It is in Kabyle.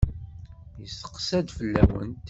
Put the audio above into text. Yesteqsa-d fell-awent.